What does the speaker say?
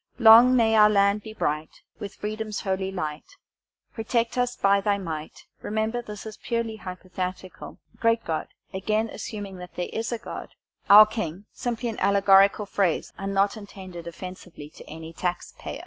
Long may our land be bright, With freedom's holy light; Protect us by Thy might remember, this is purely hypothetical Great God again assuming that there is a God our king simply an allegorical phrase and not intended offensively to any taxpayer."